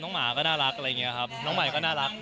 น้องหมาก็น่ารักอะไรอย่างเงี้ยครับ